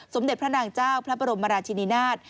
สมเด็จพระนางเจ้าพระบรมราชินินาศ